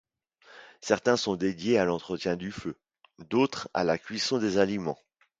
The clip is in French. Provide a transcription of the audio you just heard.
Certains sont dédiés à l’entretien du feu, d'autre à la cuisson des aliments.